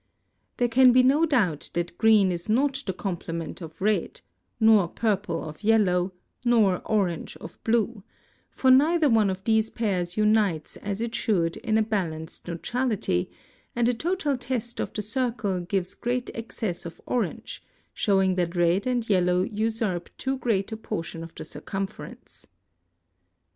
There can be no doubt that green is not the complement of red, nor purple of yellow, nor orange of blue, for neither one of these pairs unites as it should in a balanced neutrality, and a total test of the circle gives great excess of orange, showing that red and yellow usurp too great a portion of the circumference.